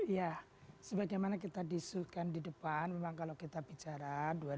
ya sebagaimana kita disukan di depan memang kalau kita bicara dua ribu dua puluh